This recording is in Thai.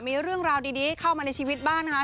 มีเรื่องราวดีเข้ามาในชีวิตบ้างนะคะ